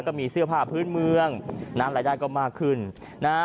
ก็มีเสื้อผ้าพื้นเมืองนะรายได้ก็มากขึ้นนะฮะ